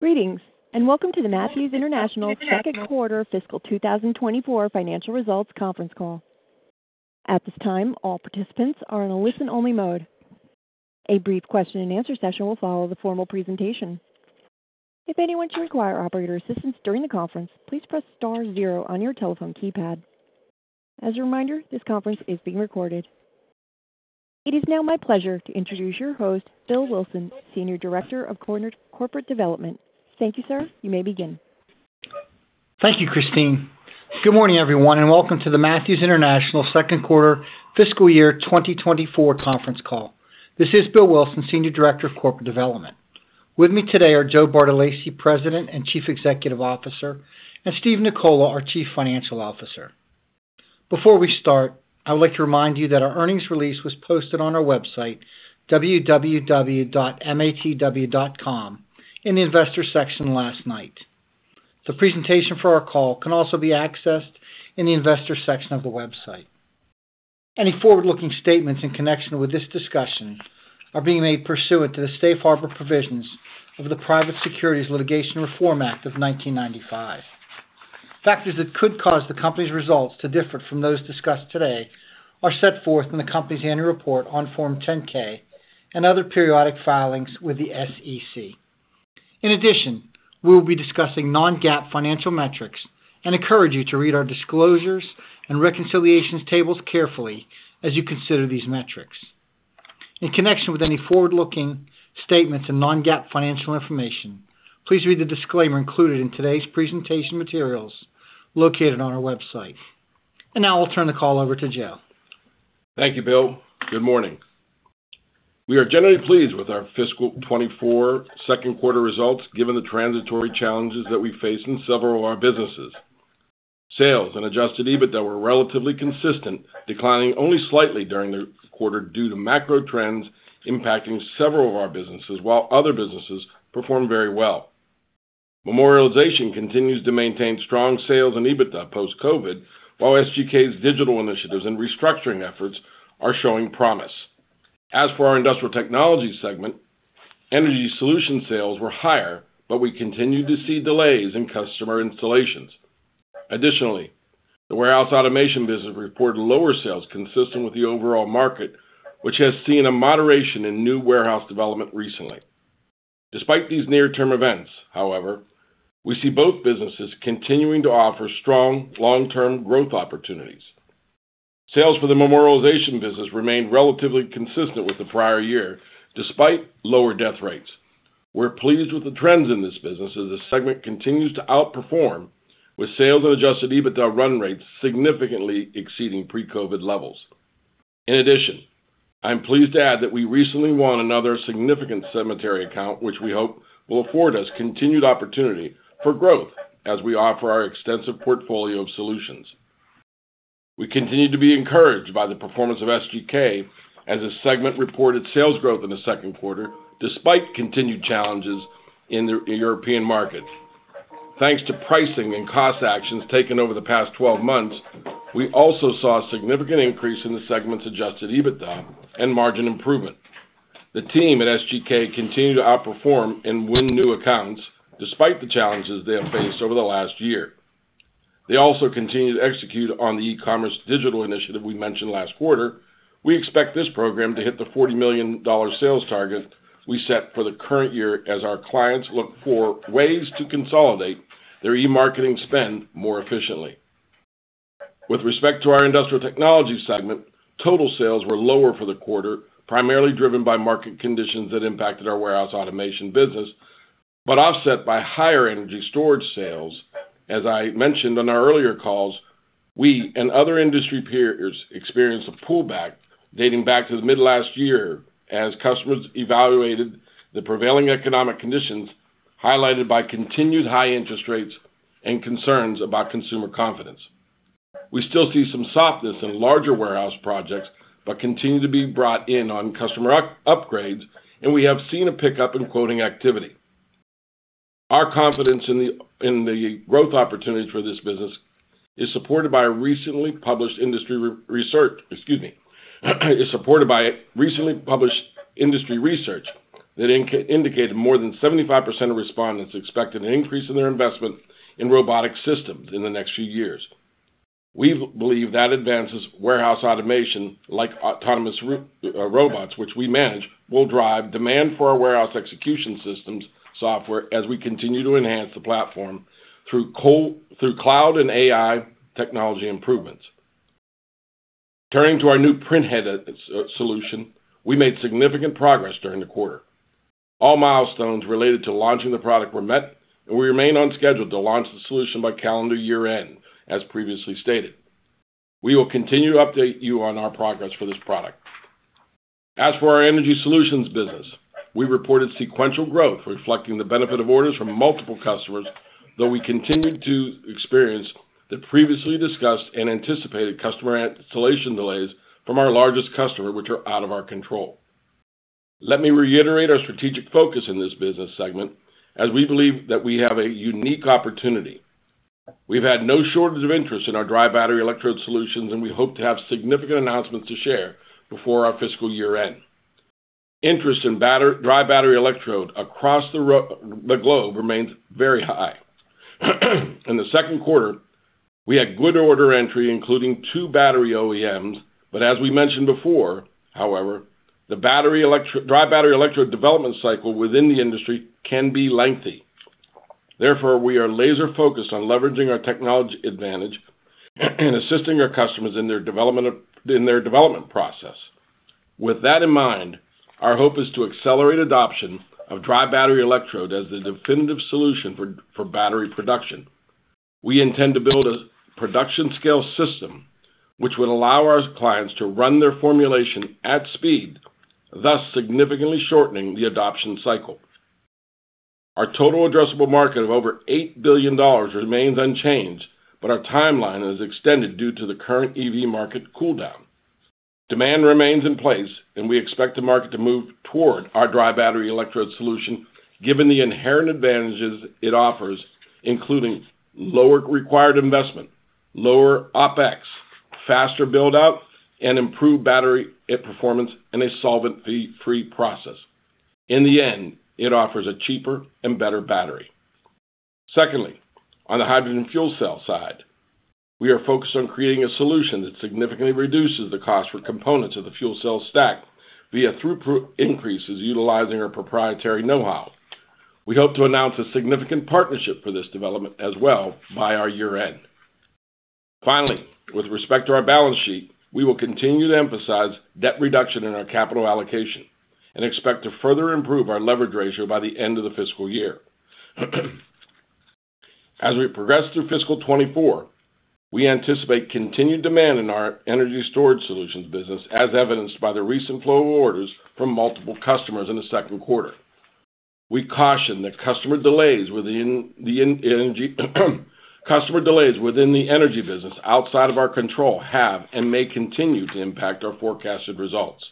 Greetings, and welcome to the Matthews International second quarter fiscal 2024 financial results conference call. At this time, all participants are in a listen-only mode. A brief question and answer session will follow the formal presentation. If anyone should require operator assistance during the conference, please press star zero on your telephone keypad. As a reminder, this conference is being recorded. It is now my pleasure to introduce your host, Bill Wilson, Senior Director of Corporate Development. Thank you, sir. You may begin. Thank you, Christine. Good morning, everyone, and welcome to the Matthews International second quarter fiscal year 2024 conference call. This is Bill Wilson, Senior Director of Corporate Development. With me today are Joe Bartolacci, President and Chief Executive Officer, and Steve Nicola, our Chief Financial Officer. Before we start, I would like to remind you that our earnings release was posted on our website, www.matw.com, in the investor section last night. The presentation for our call can also be accessed in the investor section of the website. Any forward-looking statements in connection with this discussion are being made pursuant to the Safe Harbor Provisions of the Private Securities Litigation Reform Act of 1995. Factors that could cause the company's results to differ from those discussed today are set forth in the company's annual report on Form 10-K and other periodic filings with the SEC. In addition, we will be discussing non-GAAP financial metrics and encourage you to read our disclosures and reconciliations tables carefully as you consider these metrics. In connection with any forward-looking statements and non-GAAP financial information, please read the disclaimer included in today's presentation materials located on our website. Now I'll turn the call over to Joe. Thank you, Bill. Good morning. We are generally pleased with our fiscal 2024 second quarter results, given the transitory challenges that we face in several of our businesses. Sales and adjusted EBITDA were relatively consistent, declining only slightly during the quarter due to macro trends impacting several of our businesses, while other businesses performed very well. Memorialization continues to maintain strong sales and EBITDA post-COVID, while SGK's digital initiatives and restructuring efforts are showing promise. As for our Industrial Technologies segment, Energy Solutions sales were higher, but we continued to see delays in customer installations. Additionally, the Warehouse Automation business reported lower sales consistent with the overall market, which has seen a moderation in new warehouse development recently. Despite these near-term events, however, we see both businesses continuing to offer strong long-term growth opportunities. Sales for the Memorialization business remained relatively consistent with the prior year, despite lower death rates. We're pleased with the trends in this business as the segment continues to outperform, with sales and Adjusted EBITDA run rates significantly exceeding pre-COVID levels. In addition, I'm pleased to add that we recently won another significant cemetery account, which we hope will afford us continued opportunity for growth as we offer our extensive portfolio of solutions. We continue to be encouraged by the performance of SGK as a segment reported sales growth in the second quarter, despite continued challenges in the European markets. Thanks to pricing and cost actions taken over the past twelve months, we also saw a significant increase in the segment's Adjusted EBITDA and margin improvement. The team at SGK continued to outperform and win new accounts, despite the challenges they have faced over the last year. They also continued to execute on the e-commerce digital initiative we mentioned last quarter. We expect this program to hit the $40 million sales target we set for the current year as our clients look for ways to consolidate their e-marketing spend more efficiently. With respect to our Industrial Technologies segment, total sales were lower for the quarter, primarily driven by market conditions that impacted our Warehouse Automation business, but offset by higher energy storage sales. As I mentioned on our earlier calls, we and other industry peers experienced a pullback dating back to the mid-last year as customers evaluated the prevailing economic conditions, highlighted by continued high interest rates and concerns about consumer confidence. We still see some softness in larger warehouse projects but continue to be brought in on customer upgrades, and we have seen a pickup in quoting activity. Our confidence in the growth opportunities for this business is supported by a recently published industry research that indicated more than 75% of respondents expected an increase in their investment in robotic systems in the next few years. We believe that advanced Warehouse Automation, like autonomous robots, which we manage, will drive demand for our warehouse execution systems software as we continue to enhance the platform through cloud and AI technology improvements. Turning to our new printhead solution, we made significant progress during the quarter. All milestones related to launching the product were met, and we remain on schedule to launch the solution by calendar year-end, as previously stated. We will continue to update you on our progress for this product. As for our Energy Solutions business, we reported sequential growth, reflecting the benefit of orders from multiple customers, though we continued to experience the previously discussed and anticipated customer installation delays from our largest customer, which are out of our control. Let me reiterate our strategic focus in this business segment, as we believe that we have a unique opportunity. We've had no shortage of interest in our dry battery electrode solutions, and we hope to have significant announcements to share before our fiscal year end. Interest in dry battery electrode across the globe remains very high. In the second quarter, we had good order entry, including two battery OEMs. But as we mentioned before, however, the dry battery electrode development cycle within the industry can be lengthy. Therefore, we are laser-focused on leveraging our technology advantage and assisting our customers in their development process. With that in mind, our hope is to accelerate adoption of dry battery electrode as the definitive solution for battery production. We intend to build a production scale system, which would allow our clients to run their formulation at speed, thus significantly shortening the adoption cycle. Our total addressable market of over $8 billion remains unchanged, but our timeline is extended due to the current EV market cooldown. Demand remains in place, and we expect the market to move toward our dry battery electrode solution, given the inherent advantages it offers, including lower required investment, lower OpEx, faster build-out, and improved battery performance and a solvent-free process. In the end, it offers a cheaper and better battery. Secondly, on the hydrogen fuel cell side, we are focused on creating a solution that significantly reduces the cost for components of the fuel cell stack via throughput increases utilizing our proprietary know-how. We hope to announce a significant partnership for this development as well by our year-end. Finally, with respect to our balance sheet, we will continue to emphasize debt reduction in our capital allocation and expect to further improve our leverage ratio by the end of the fiscal year. As we progress through fiscal 2024, we anticipate continued demand in our Energy Storage Solutions business, as evidenced by the recent flow of orders from multiple customers in the second quarter. We caution that customer delays within the energy business, outside of our control, have and may continue to impact our forecasted results.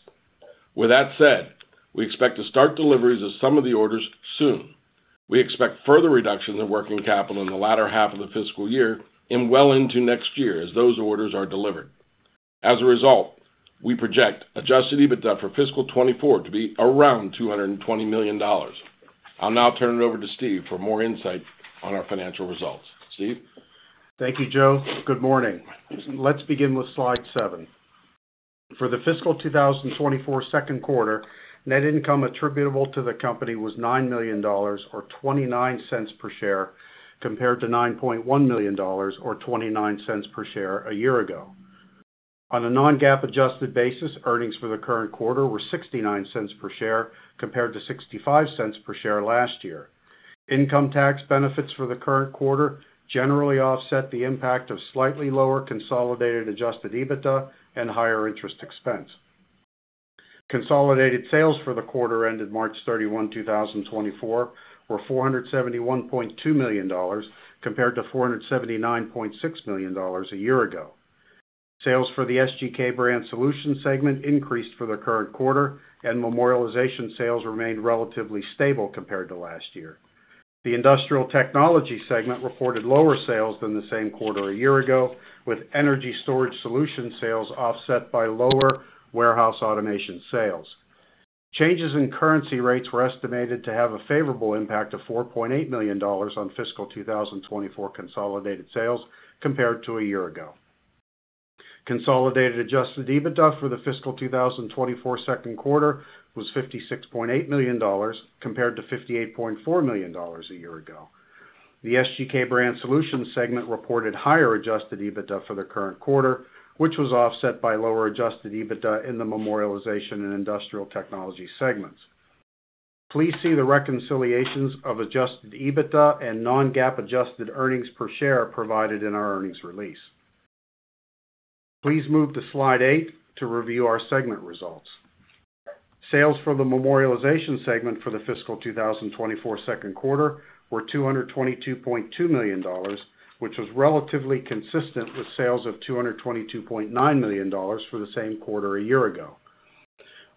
With that said, we expect to start deliveries of some of the orders soon. We expect further reductions in working capital in the latter half of the fiscal year and well into next year as those orders are delivered. As a result, we project Adjusted EBITDA for fiscal 2024 to be around $220 million. I'll now turn it over to Steve for more insight on our financial results. Steve? Thank you, Joe. Good morning. Let's begin with slide 7. For the fiscal 2024 second quarter, net income attributable to the company was $9 million or $0.29 per share, compared to $9.1 million or $0.29 per share a year ago. On a non-GAAP adjusted basis, earnings for the current quarter were $0.69 per share, compared to $0.65 per share last year. Income tax benefits for the current quarter generally offset the impact of slightly lower consolidated Adjusted EBITDA and higher interest expense. Consolidated sales for the quarter ended March 31, 2024, were $471.2 million, compared to $479.6 million a year ago. Sales for the SGK Brand Solutions segment increased for the current quarter, and Memorialization sales remained relatively stable compared to last year. The Industrial Technologies segment reported lower sales than the same quarter a year ago, with energy storage solution sales offset by lower Warehouse Automation sales. Changes in currency rates were estimated to have a favorable impact of $4.8 million on fiscal 2024 consolidated sales compared to a year ago. Consolidated adjusted EBITDA for the fiscal 2024 second quarter was $56.8 million, compared to $58.4 million a year ago. The SGK Brand Solutions segment reported higher adjusted EBITDA for the current quarter, which was offset by lower adjusted EBITDA in the Memorialization and Industrial Technologies segments. Please see the reconciliations of adjusted EBITDA and non-GAAP adjusted earnings per share provided in our earnings release. Please move to slide 8 to review our segment results. Sales for the Memorialization segment for the fiscal 2024 second quarter were $222.2 million, which was relatively consistent with sales of $222.9 million for the same quarter a year ago.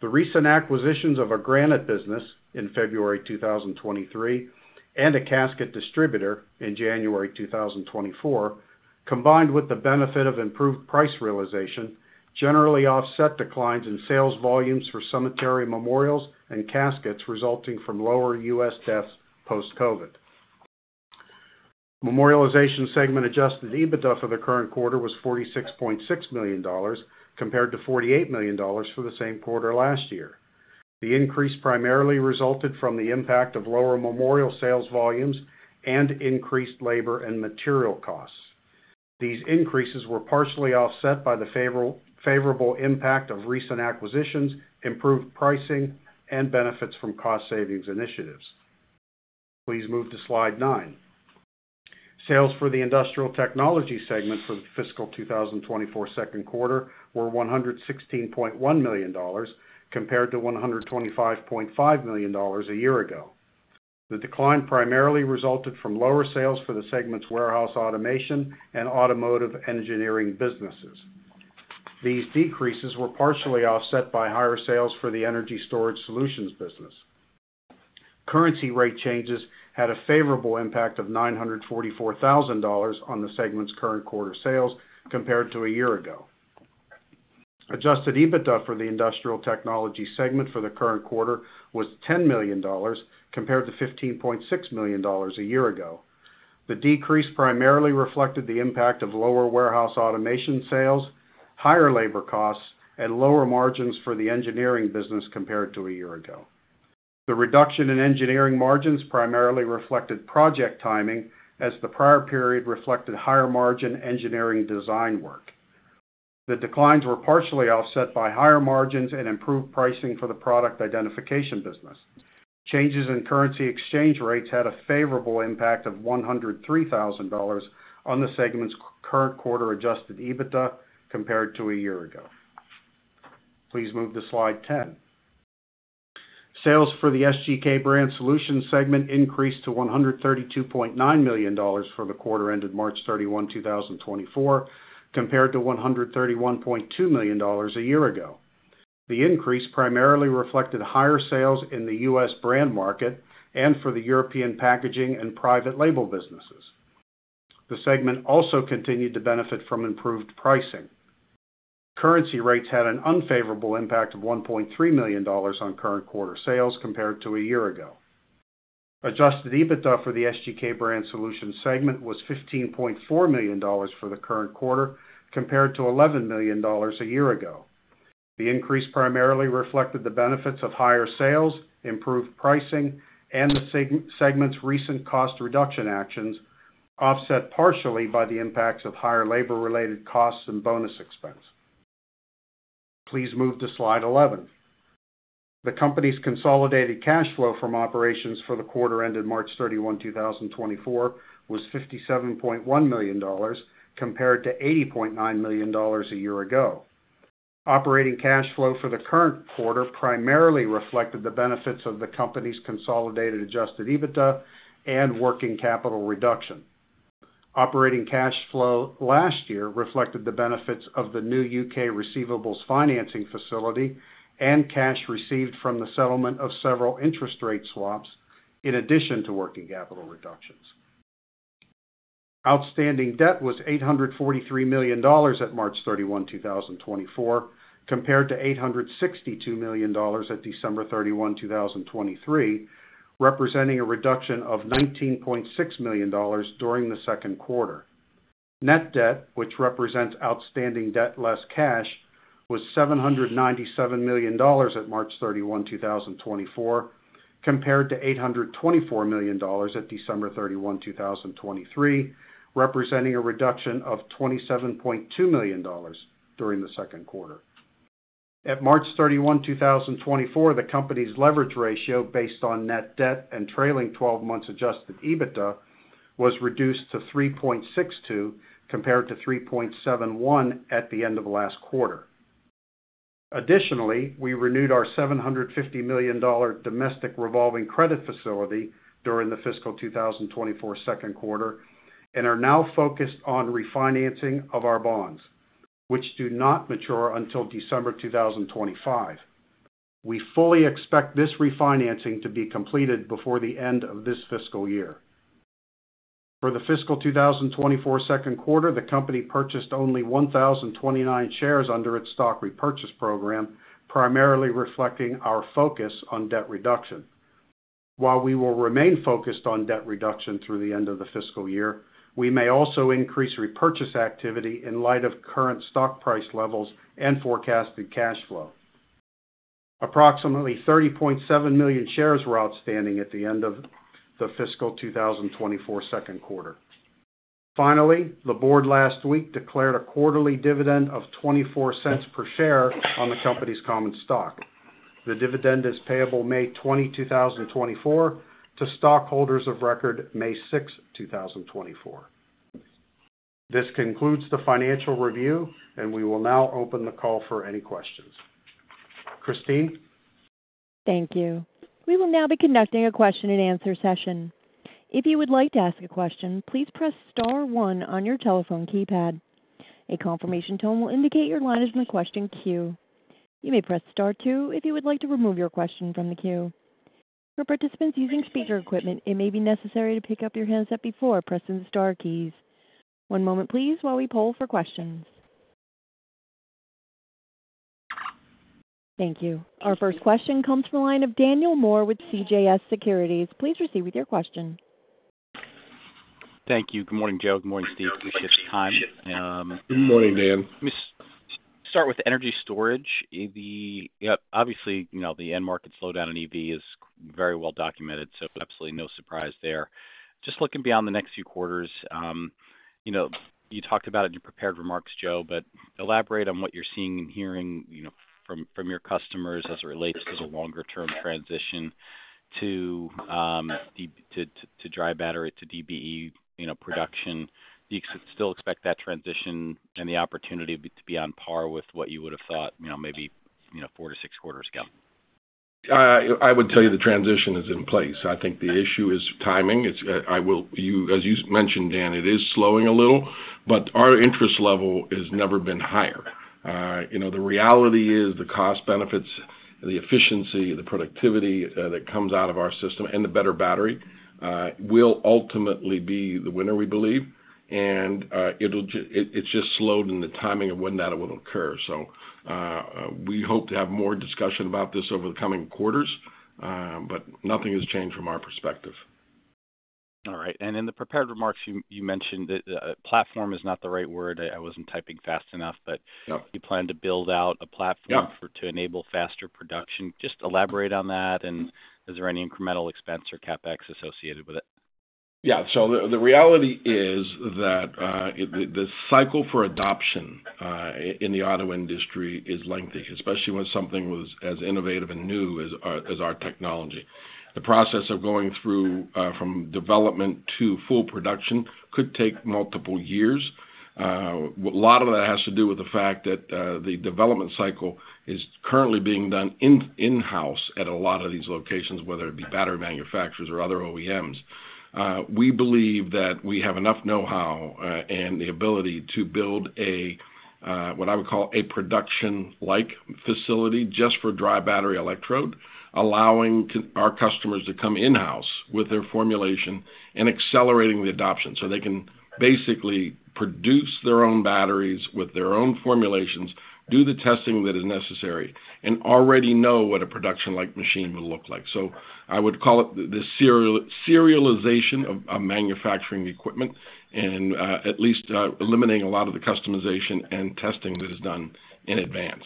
The recent acquisitions of our granite business in February 2023 and a casket distributor in January 2024, combined with the benefit of improved price realization, generally offset declines in sales volumes for cemetery memorials and caskets resulting from lower U.S. deaths post-COVID. Memorialization segment Adjusted EBITDA for the current quarter was $46.6 million, compared to $48 million for the same quarter last year. The increase primarily resulted from the impact of lower memorial sales volumes and increased labor and material costs. These increases were partially offset by the favorable impact of recent acquisitions, improved pricing, and benefits from cost savings initiatives. Please move to slide 9. Sales for the Industrial Technologies segment for the fiscal 2024 second quarter were $116.1 million, compared to $125.5 million a year ago. The decline primarily resulted from lower sales for the segment's Warehouse Automation and automotive engineering businesses. These decreases were partially offset by higher sales for the Energy Storage Solutions business. Currency rate changes had a favorable impact of $944,000 on the segment's current quarter sales compared to a year ago. Adjusted EBITDA for the Industrial Technologies segment for the current quarter was $10 million, compared to $15.6 million a year ago. The decrease primarily reflected the impact of lower Warehouse Automation sales, higher labor costs, and lower margins for the engineering business compared to a year ago. The reduction in engineering margins primarily reflected project timing, as the prior period reflected higher margin engineering design work. The declines were partially offset by higher margins and improved pricing for the Product Identification business. Changes in currency exchange rates had a favorable impact of $103,000 on the segment's current quarter Adjusted EBITDA compared to a year ago. Please move to slide 10. Sales for the SGK Brand Solutions segment increased to $132.9 million for the quarter ended March 31, 2024, compared to $131.2 million a year ago. The increase primarily reflected higher sales in the U.S. brand market and for the European packaging and private label businesses. The segment also continued to benefit from improved pricing. Currency rates had an unfavorable impact of $1.3 million on current quarter sales compared to a year ago. Adjusted EBITDA for the SGK Brand Solutions segment was $15.4 million for the current quarter, compared to $11 million a year ago. The increase primarily reflected the benefits of higher sales, improved pricing, and the segment's recent cost reduction actions, offset partially by the impacts of higher labor-related costs and bonus expense. Please move to slide 11. The company's consolidated cash flow from operations for the quarter ended March 31, 2024, was $57.1 million, compared to $80.9 million a year ago. Operating cash flow for the current quarter primarily reflected the benefits of the company's consolidated Adjusted EBITDA and working capital reduction. Operating cash flow last year reflected the benefits of the new UK receivables financing facility and cash received from the settlement of several interest rate swaps, in addition to working capital reductions. Outstanding debt was $843 million at March 31, 2024, compared to $862 million at December 31, 2023, representing a reduction of $19.6 million during the second quarter. Net debt, which represents outstanding debt less cash, was $797 million at March 31, 2024, compared to $824 million at December 31, 2023, representing a reduction of $27.2 million during the second quarter. At March 31, 2024, the company's leverage ratio, based on net debt and trailing twelve months Adjusted EBITDA, was reduced to 3.62, compared to 3.71 at the end of last quarter. Additionally, we renewed our $750 million domestic revolving credit facility during the fiscal 2024 second quarter, and are now focused on refinancing of our bonds, which do not mature until December 2025. We fully expect this refinancing to be completed before the end of this fiscal year. For the fiscal 2024 second quarter, the company purchased only 1,029 shares under its stock repurchase program, primarily reflecting our focus on debt reduction. While we will remain focused on debt reduction through the end of the fiscal year, we may also increase repurchase activity in light of current stock price levels and forecasted cash flow. Approximately 30.7 million shares were outstanding at the end of the fiscal 2024 second quarter. Finally, the Board last week declared a quarterly dividend of $0.24 per share on the company's common stock. The dividend is payable May 20, 2024, to stockholders of record, May 6, 2024. This concludes the financial review, and we will now open the call for any questions. Christine? Thank you. We will now be conducting a question-and-answer session. If you would like to ask a question, please press star one on your telephone keypad. A confirmation tone will indicate your line is in the question queue. You may press star two if you would like to remove your question from the queue. For participants using speaker equipment, it may be necessary to pick up your handset before pressing the star keys. One moment please, while we poll for questions. Thank you. Our first question comes from the line of Daniel Moore with CJS Securities. Please proceed with your question. Thank you. Good morning, Joe. Good morning, Steve. Appreciate your time. Good morning, Dan. Let me start with energy storage. EV, yep, obviously, you know, the end market slowdown in EV is very well documented, so absolutely no surprise there. Just looking beyond the next few quarters, you know, you talked about it in your prepared remarks, Joe, but elaborate on what you're seeing and hearing, you know, from your customers as it relates to the longer-term transition to the dry battery, to DBE, you know, production. Do you still expect that transition and the opportunity to be on par with what you would have thought, you know, maybe 4-6 quarters ago? I would tell you the transition is in place. I think the issue is timing. It's, you, as you mentioned, Dan, it is slowing a little, but our interest level has never been higher. You know, the reality is the cost benefits the efficiency, the productivity, that comes out of our system and the better battery, will ultimately be the winner, we believe. And, it'll just—it's just slowed in the timing of when that will occur. So, we hope to have more discussion about this over the coming quarters, but nothing has changed from our perspective. All right. And in the prepared remarks, you mentioned that platform is not the right word. I wasn't typing fast enough, but- Yep. you plan to build out a platform Yeah... to enable faster production. Just elaborate on that, and is there any incremental expense or CapEx associated with it? Yeah. So the reality is that the cycle for adoption in the auto industry is lengthy, especially when something was as innovative and new as our technology. The process of going through from development to full production could take multiple years. A lot of that has to do with the fact that the development cycle is currently being done in-house at a lot of these locations, whether it be battery manufacturers or other OEMs. We believe that we have enough know-how and the ability to build a what I would call a production-like facility, just for dry battery electrode, allowing our customers to come in-house with their formulation and accelerating the adoption. So they can basically produce their own batteries with their own formulations, do the testing that is necessary, and already know what a production-like machine will look like. So I would call it the serialization of manufacturing the equipment and, at least, eliminating a lot of the customization and testing that is done in advance.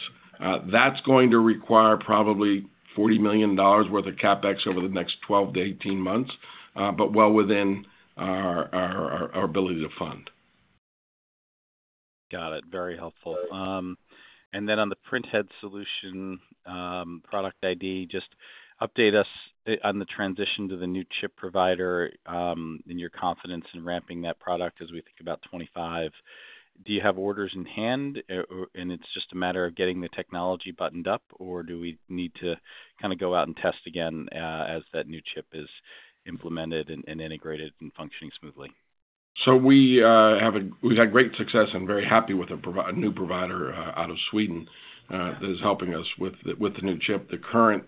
That's going to require probably $40 million worth of CapEx over the next 12-18 months, but well within our ability to fund. Got it. Very helpful. And then on the printhead solution, Product ID, just update us on the transition to the new chip provider, and your confidence in ramping that product as we think about 2025. Do you have orders in hand, or and it's just a matter of getting the technology buttoned up, or do we need to kind of go out and test again, as that new chip is implemented and, and integrated and functioning smoothly? So we have we've had great success and very happy with the new provider out of Sweden that is helping us with the new chip. The current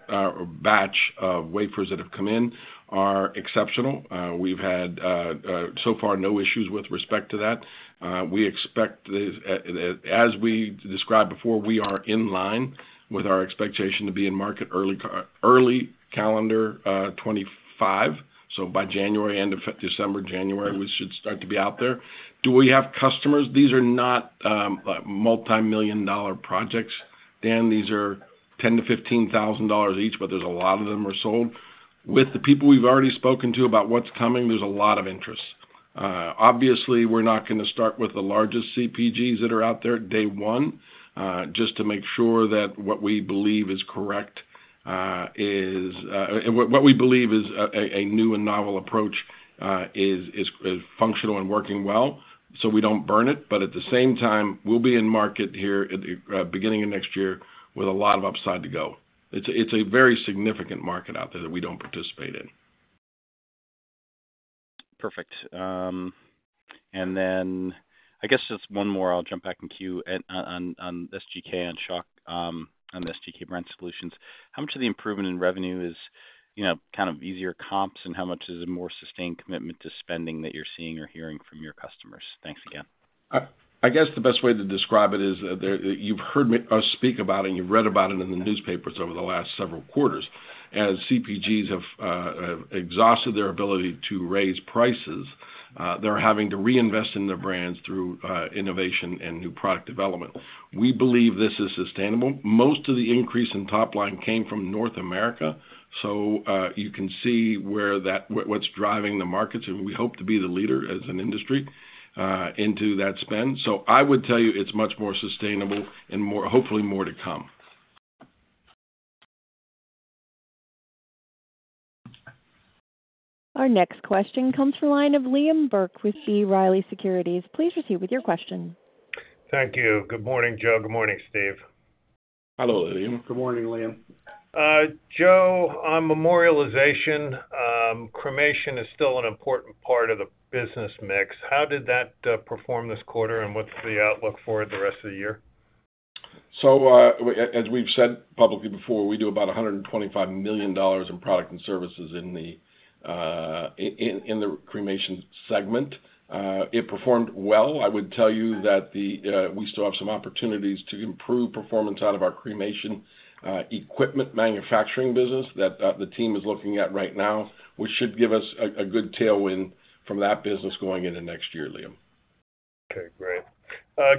batch of wafers that have come in are exceptional. We've had so far no issues with respect to that. We expect. As we described before, we are in line with our expectation to be in market early calendar 2025. So by January, end of December, January, we should start to be out there. Do we have customers? These are not multimillion-dollar projects, Dan. These are $10,000-$15,000 each, but there's a lot of them are sold. With the people we've already spoken to about what's coming, there's a lot of interest. Obviously, we're not gonna start with the largest CPGs that are out there day one, just to make sure that what we believe is correct, and what we believe is a new and novel approach is functional and working well, so we don't burn it. But at the same time, we'll be in market here at the beginning of next year with a lot of upside to go. It's a very significant market out there that we don't participate in. Perfect. And then I guess just one more. I'll jump back in to you, and on, on SGK and Schawk, on the SGK Brand Solutions. How much of the improvement in revenue is, you know, kind of easier comps, and how much is a more sustained commitment to spending that you're seeing or hearing from your customers? Thanks again. I guess the best way to describe it is, you've heard me, us speak about it, and you've read about it in the newspapers over the last several quarters. As CPGs have exhausted their ability to raise prices, they're having to reinvest in their brands through innovation and new product development. We believe this is sustainable. Most of the increase in top line came from North America, so you can see where that... what's driving the markets, and we hope to be the leader as an industry into that spend. So I would tell you it's much more sustainable and more-- hopefully more to come. Our next question comes from the line of Liam Burke with B. Riley Securities. Please proceed with your question. Thank you. Good morning, Joe. Good morning, Steve. Hello, Liam. Good morning, Liam. Joe, on Memorialization, cremation is still an important part of the business mix. How did that perform this quarter, and what's the outlook for the rest of the year? So, as we've said publicly before, we do about $125 million in product and services in the cremation segment. It performed well. I would tell you that we still have some opportunities to improve performance out of our cremation equipment manufacturing business that the team is looking at right now, which should give us a good tailwind from that business going into next year, Liam. Okay, great.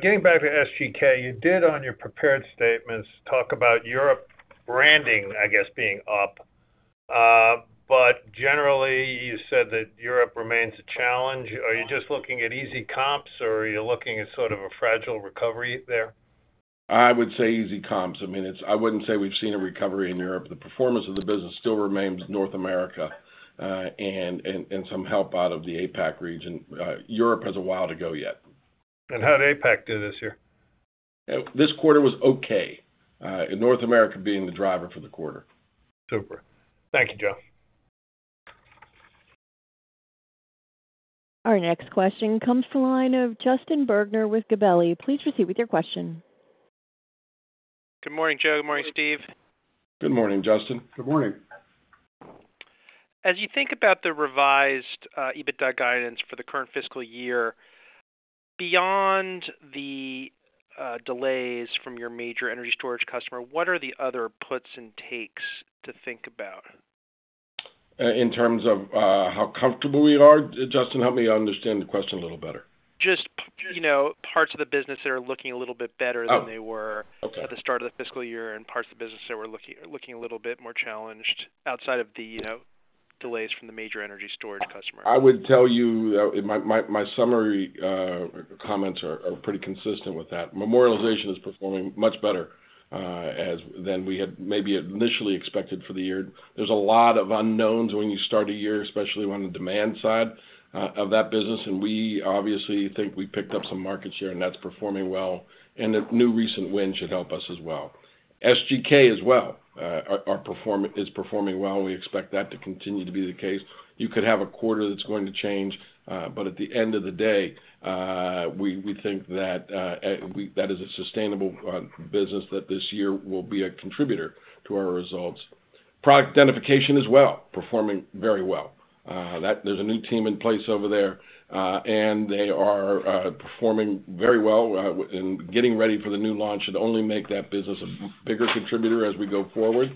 Getting back to SGK, you did, on your prepared statements, talk about Europe branding, I guess, being up. But generally, you said that Europe remains a challenge. Are you just looking at easy comps, or are you looking at sort of a fragile recovery there? I would say easy comps. I mean, I wouldn't say we've seen a recovery in Europe. The performance of the business still remains North America, and some help out of the APAC region. Europe has a while to go yet. How did APAC do this year? This quarter was okay. North America being the driver for the quarter. Super. Thank you, Joe. Our next question comes from the line of Justin Bergner with Gabelli. Please proceed with your question. Good morning, Joe. Good morning, Steve. Good morning, Justin. Good morning. As you think about the revised EBITDA guidance for the current fiscal year, beyond the delays from your major energy storage customer, what are the other puts and takes to think about? In terms of how comfortable we are? Justin, help me understand the question a little better. Just, you know, parts of the business that are looking a little bit better- Oh. than they were Okay. At the start of the fiscal year, and parts of the business that were looking a little bit more challenged outside of the, you know, delays from the major energy storage customer. I would tell you my summary comments are pretty consistent with that. Memorialization is performing much better than we had maybe initially expected for the year. There's a lot of unknowns when you start a year, especially on the demand side of that business, and we obviously think we picked up some market share, and that's performing well, and the new recent win should help us as well. SGK as well is performing well. We expect that to continue to be the case. You could have a quarter that's going to change, but at the end of the day, we think that that is a sustainable business, that this year will be a contributor to our results. Product identification as well, performing very well. That... There's a new team in place over there, and they are performing very well, and getting ready for the new launch, should only make that business a bigger contributor as we go forward.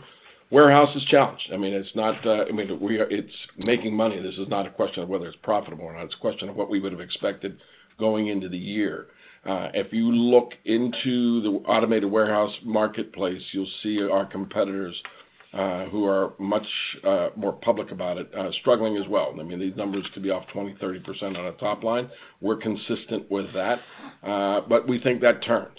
Warehouse is challenged. I mean, it's not, I mean, we are. It's making money. This is not a question of whether it's profitable or not. It's a question of what we would have expected going into the year. If you look into the automated warehouse marketplace, you'll see our competitors, who are much more public about it, struggling as well. I mean, these numbers could be off 20%-30% on a top line. We're consistent with that, but we think that turns.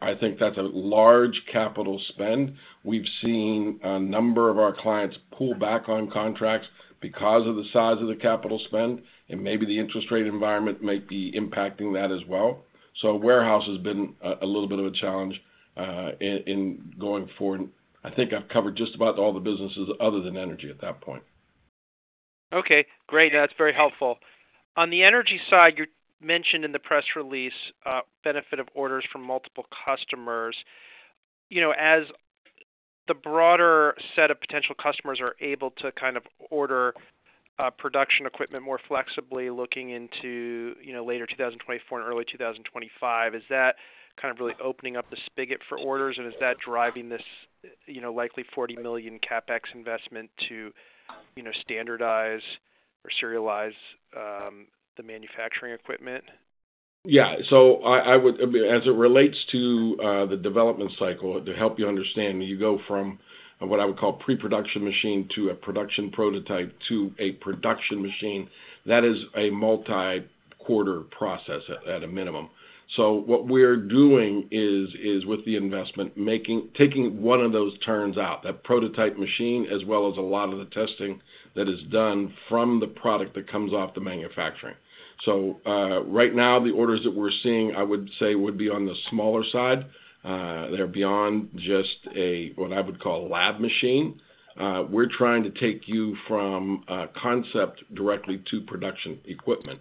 I think that's a large capital spend. We've seen a number of our clients pull back on contracts because of the size of the capital spend, and maybe the interest rate environment might be impacting that as well. So warehouse has been a little bit of a challenge in going forward. I think I've covered just about all the businesses other than energy at that point. Okay, great. That's very helpful. On the energy side, you mentioned in the press release, benefit of orders from multiple customers. You know, as the broader set of potential customers are able to kind of order, production equipment more flexibly, looking into, you know, later 2024 and early 2025, is that kind of really opening up the spigot for orders, and is that driving this, you know, likely $40 million CapEx investment to, you know, standardize or serialize, the manufacturing equipment? Yeah. So I would... I mean, as it relates to the development cycle, to help you understand, you go from what I would call pre-production machine to a production prototype to a production machine. That is a multi-quarter process at a minimum. So what we're doing is with the investment, taking one of those turns out, that prototype machine, as well as a lot of the testing that is done from the product that comes off the manufacturing. So right now, the orders that we're seeing, I would say, would be on the smaller side. They're beyond just a what I would call lab machine. We're trying to take you from concept directly to production equipment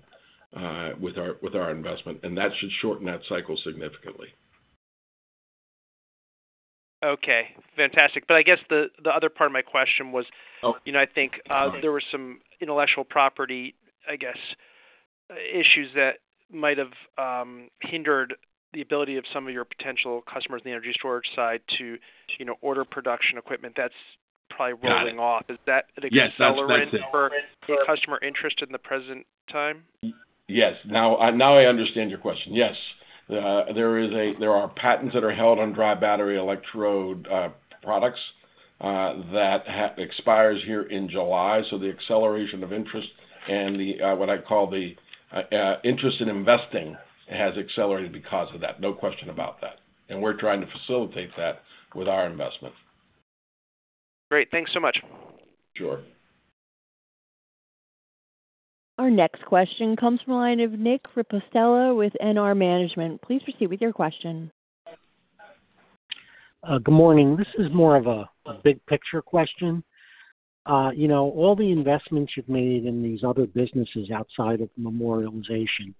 with our investment, and that should shorten that cycle significantly. Okay, fantastic. But I guess the other part of my question was- Oh. you know, I think, there were some intellectual property, I guess, issues that might have, hindered the ability of some of your potential customers in the energy storage side to, you know, order production equipment. That's probably rolling off. Got it. Is that an acceleration- Yes, that's right. for customer interest in the present time? Yes. Now I understand your question. Yes, there are patents that are held on dry battery electrode products that expires here in July. So the acceleration of interest and the, what I call the, interest in investing, has accelerated because of that. No question about that, and we're trying to facilitate that with our investment. Great. Thanks so much. Sure. Our next question comes from the line of Nick Rippostella with NR Management. Please proceed with your question. Good morning. This is more of a big picture question. You know, all the investments you've made in these other businesses outside of Memorialization,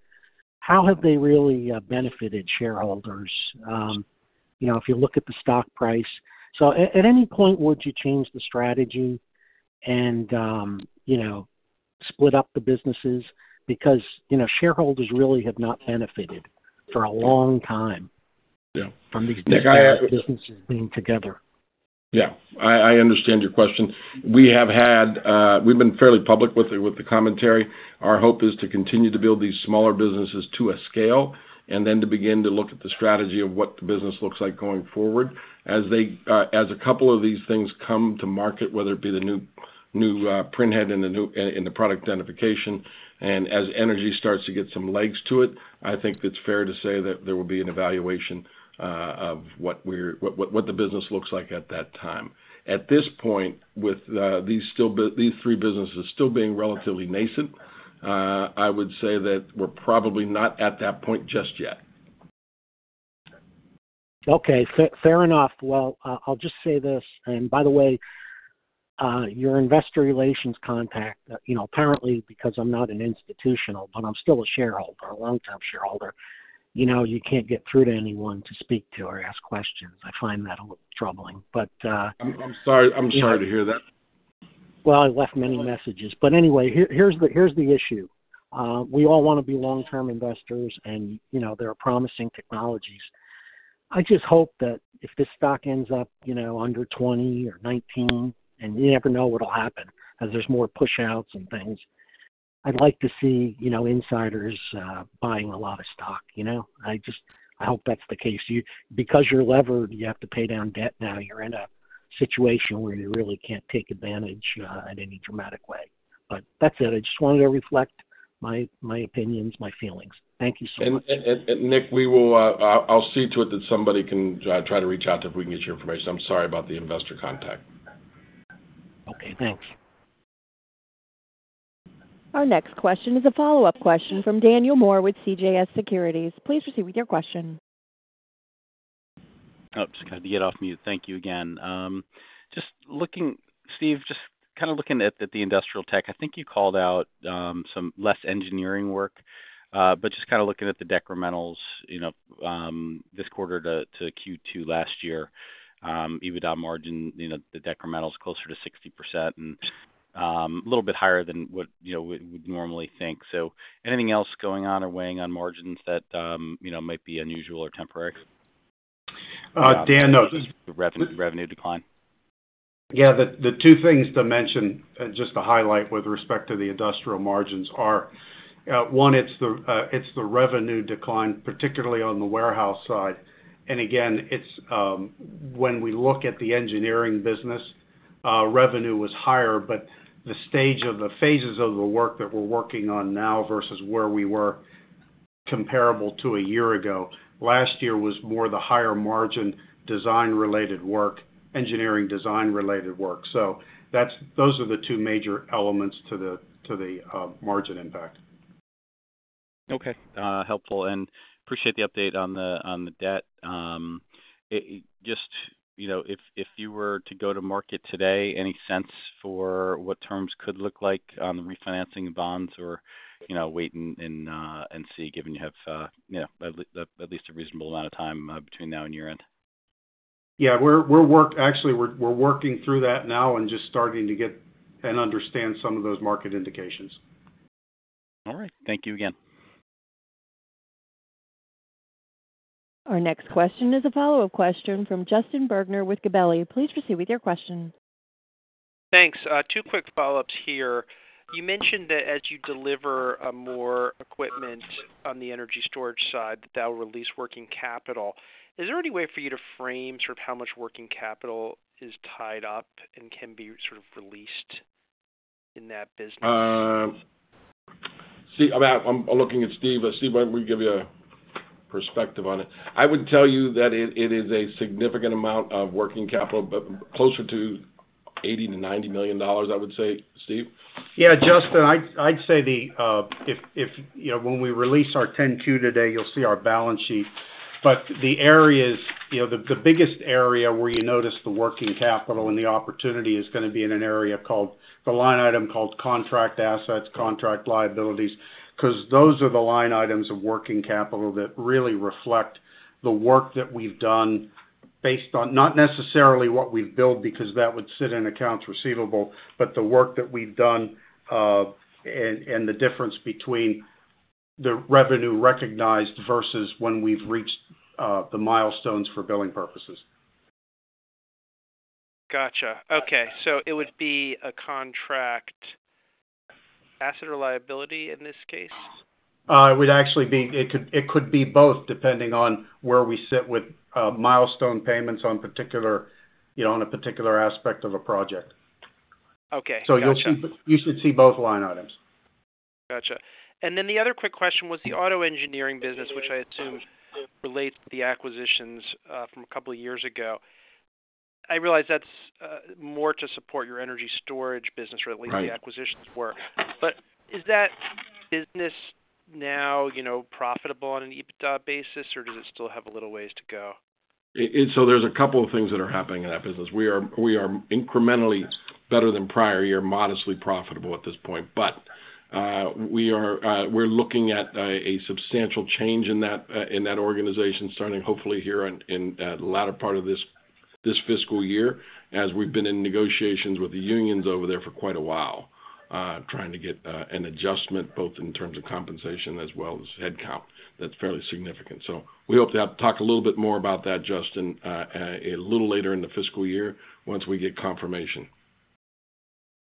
how have they really benefited shareholders? You know, if you look at the stock price. So at any point, would you change the strategy and, you know, split up the businesses? Because, you know, shareholders really have not benefited for a long time- Yeah... from these businesses being together. Yeah, I understand your question. We have had... We've been fairly public with the commentary. Our hope is to continue to build these smaller businesses to a scale, and then to begin to look at the strategy of what the business looks like going forward. As they, as a couple of these things come to market, whether it be the new print head and the new Product Identification, and as energy starts to get some legs to it, I think it's fair to say that there will be an evaluation of what we're what the business looks like at that time. At this point, with these three businesses still being relatively nascent, I would say that we're probably not at that point just yet. Okay, fair, fair enough. Well, I'll just say this, and by the way, your investor relations contact, you know, apparently because I'm not an institutional, but I'm still a shareholder, a long-term shareholder, you know, you can't get through to anyone to speak to or ask questions. I find that a little troubling, but- I'm sorry. I'm sorry to hear that. Well, I left many messages. But anyway, here's the issue. We all wanna be long-term investors, and, you know, there are promising technologies. I just hope that if this stock ends up, you know, under 20 or 19, and you never know what'll happen as there's more push-outs and things, I'd like to see, you know, insiders buying a lot of stock, you know? I just hope that's the case. Because you're levered, you have to pay down debt now. You're in a situation where you really can't take advantage in any dramatic way. But that's it. I just wanted to reflect my opinions, my feelings. Thank you so much. And Nick, we will. I'll see to it that somebody can try to reach out to if we can get your information. I'm sorry about the investor contact. Okay, thanks. Our next question is a follow-up question from Daniel Moore with CJS Securities. Please proceed with your question. Oh, just gotta get off mute. Thank you again. Just looking... Steve, just kind of looking at the industrial tech, I think you called out some less engineering work. But just kind of looking at the decrementals, you know, this quarter to Q2 last year, EBITDA margin, you know, the decrementals closer to 60% and a little bit higher than what, you know, we'd normally think. So anything else going on or weighing on margins that you know might be unusual or temporary? Dan, no- The revenue decline. Yeah, the two things to mention, just to highlight with respect to the industrial margins are, one, it's the revenue decline, particularly on the warehouse side. And again, it's, when we look at the engineering business, revenue was higher, but the stage of the phases of the work that we're working on now versus where we were comparable to a year ago, last year was more the higher margin design-related work, engineering design-related work. So that's, those are the two major elements to the margin impact. Okay, helpful, and appreciate the update on the debt. It just... You know, if you were to go to market today, any sense for what terms could look like on the refinancing of bonds or, you know, wait and see, given you have, you know, at least a reasonable amount of time between now and year-end? Yeah, we're actually working through that now and just starting to get and understand some of those market indications. All right. Thank you again. Our next question is a follow-up question from Justin Bergner with Gabelli. Please proceed with your question. Thanks. Two quick follow-ups here. You mentioned that as you deliver more equipment on the energy storage side, that that will release working capital. Is there any way for you to frame sort of how much working capital is tied up and can be sort of released in that business? See, I'm looking at Steve. Steve, why don't you give you a perspective on it? I would tell you that it is a significant amount of working capital, but closer to $80 million-$90 million, I would say. Steve? Yeah, Justin, I'd say the, if... You know, when we release our 10-Q today, you'll see our balance sheet. But the areas, you know, the biggest area where you notice the working capital and the opportunity is gonna be in an area called, the line item called contract assets, contract liabilities, 'cause those are the line items of working capital that really reflect the work that we've done based on, not necessarily what we've built, because that would sit in accounts receivable, but the work that we've done, and the difference between the revenue recognized versus when we've reached the milestones for billing purposes. Gotcha. Okay, so it would be a contract asset or liability in this case? It would actually be... It could, it could be both, depending on where we sit with milestone payments on particular, you know, on a particular aspect of a project. Okay, gotcha. You should, you should see both line items. Gotcha. And then the other quick question was the auto engineering business, which I assume relates to the acquisitions, from a couple of years ago. I realize that's, more to support your energy storage business, or at least- Right The acquisitions were. But is that business now, you know, profitable on an EBITDA basis, or does it still have a little ways to go? So there's a couple of things that are happening in that business. We are incrementally better than prior year, modestly profitable at this point. But we are looking at a substantial change in that organization, starting hopefully here on in the latter part of this fiscal year, as we've been in negotiations with the unions over there for quite a while, trying to get an adjustment, both in terms of compensation as well as headcount. That's fairly significant. So we hope to talk a little bit more about that, Justin, a little later in the fiscal year once we get confirmation.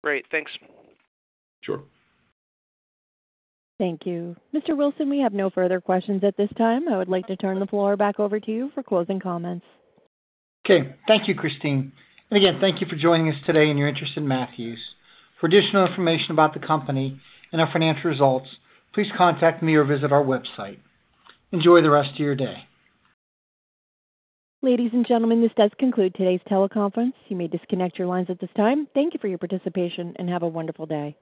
Great. Thanks. Sure. Thank you. Mr. Wilson, we have no further questions at this time. I would like to turn the floor back over to you for closing comments. Okay, thank you, Christine. And again, thank you for joining us today and your interest in Matthews. For additional information about the company and our financial results, please contact me or visit our website. Enjoy the rest of your day. Ladies and gentlemen, this does conclude today's teleconference. You may disconnect your lines at this time. Thank you for your participation, and have a wonderful day.